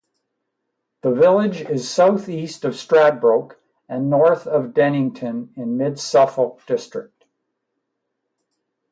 The village is south-east of Stradbroke and north of Dennington in Mid Suffolk district.